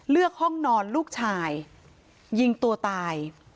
ห้องนอนลูกชายยิงตัวตาย